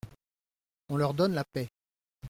On leur donne la paix.